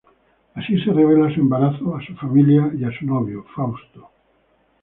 Así se revela su embarazo a su familia y a su novio, Fausto.